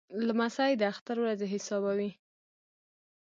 لمسی د اختر ورځې حسابوي.